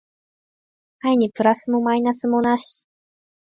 愛にプラスもマイナスもなし